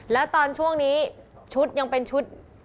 แล้วตอนช่วงนี้ชุดยังเป็นชุด